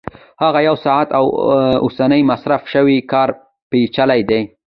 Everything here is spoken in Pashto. هغه یو ساعت اوسنی مصرف شوی کار پېچلی دی